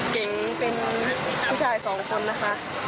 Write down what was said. เก๋งเป็นผู้ชายสองคนนะคะ